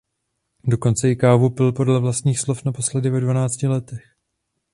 Dokonce i kávu pil podle vlastních slov naposledy ve dvanácti letech.